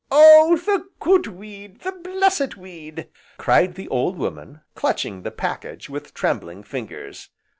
"Oh the good weed! The blessed weed!" cried the old woman, clutching the package with trembling fingers.